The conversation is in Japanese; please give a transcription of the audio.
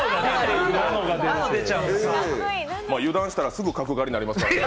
油断したら、すぐ角刈りになりますからね。